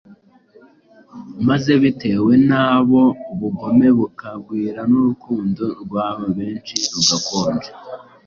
maze bitewe nabo “ubugome bukagwira n’urukundo rwa benshi rugakonja.